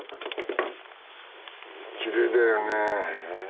きれいだよねえ。